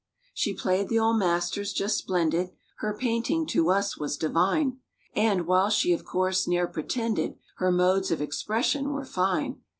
She played the old masters just splendid; Her painting, to us, was divine; And, while she of course ne'er pretended. Her modes of expression were fine.